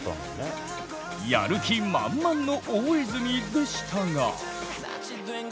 やる気満々の大泉でしたが。